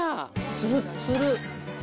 つるっつる。